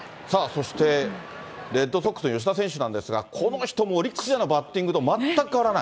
そしてレッドソックスの吉田選手なんですが、この人もオリックス時代のバッティングと全く変わらない。